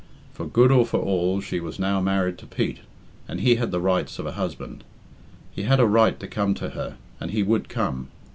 For good or for all she was now married to Pete, and he had the rights of a husband. He had a right to come to her, and he would come.